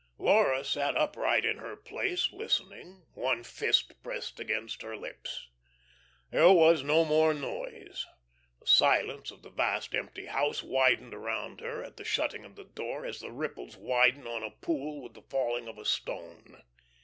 Laura sat upright in her place, listening, one fist pressed against her lips. There was no more noise. The silence of the vast empty house widened around her at the shutting of the door as the ripples widen on a pool with the falling of the stone.